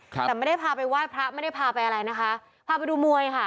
ครับแต่ไม่ได้พาไปไหว้พระไม่ได้พาไปอะไรนะคะพาไปดูมวยค่ะ